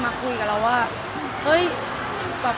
หมายถึงว่าความดังของผมแล้วทำให้เพื่อนมีผลกระทบอย่างนี้หรอค่ะ